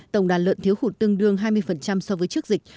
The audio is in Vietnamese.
tổng đàn lợn thiếu hụt tương đương hai mươi so với trước dịch